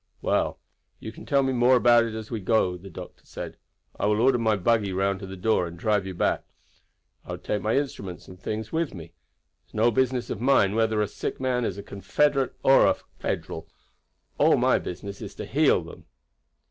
"Well, you can tell me more about it as we go," the doctor said. "I will order my buggy round to the door, and drive you back. I will take my instruments and things with me. It is no business of mine whether a sick man is a Confederate or a Federal; all my business is to heal them."